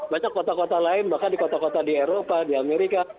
banyak kota kota lain bahkan di kota kota di eropa di amerika